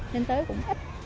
nên tới cũng ít